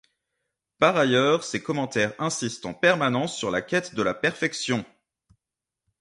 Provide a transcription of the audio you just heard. Par ailleurs, ses commentaires insistent en permanence sur la quête de la perfection.